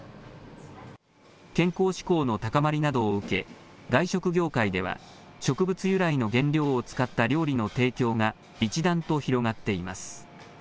健康志向の高まりなどを受け外食業界では植物由来の原料を使った料理の提供が一段と広がっています。